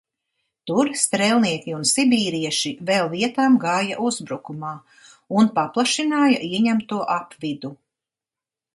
Tur strēlnieki un sibīrieši vēl vietām gāja uzbrukumā un paplašināja ieņemto apvidu.